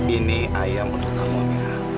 ini ayam untuk kamu